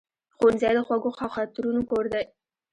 ښوونځی د خوږو خاطرونو کور دی